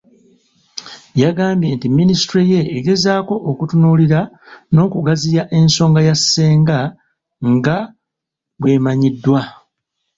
Yagambye nti minisitule ye egezaako okutunuulira n'okugaziya ensonga ya Ssenga nga bwemanyiddwa .